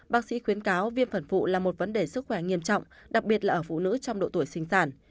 bác sĩ khuyến cáo viêm phản phụ là một vấn đề sức khỏe nghiêm trọng đặc biệt là ở phụ nữ trong độ tuổi sinh sản